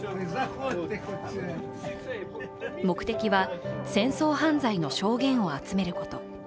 目的は、戦争犯罪の証言を集めること。